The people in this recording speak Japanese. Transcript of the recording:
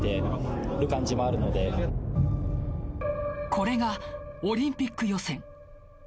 これが、オリンピック予選。